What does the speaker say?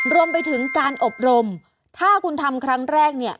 รวมไปถึงการอบรมถ้าคุณทำครั้งแรกเนี่ย